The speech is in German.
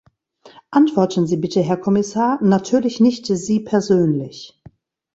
Antworten Sie bitte, Herr Kommissar, natürlich nicht Sie persönlich.